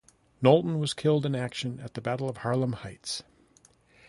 Knowlton was killed in action at the Battle of Harlem Heights.